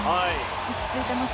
落ち着いています。